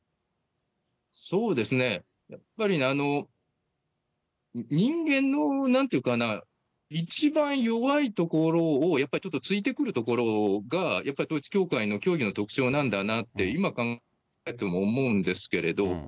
そうですね、やっぱり人間のなんていうかな、一番弱いところをやっぱりちょっと、ついてくるところがやっぱり統一教会の教義の特徴なんだなって、今考えても思うんですけれど。